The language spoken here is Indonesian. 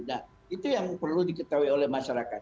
nah itu yang perlu diketahui oleh masyarakat